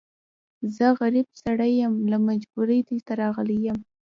زه غريب سړی يم، له مجبوری دلته راغلی يم.